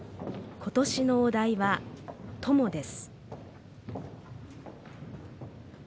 今年のお題は「友」です。